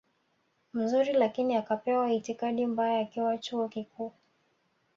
mzuri lakini akapewa itikadi mbaya akiwa chuo kikuu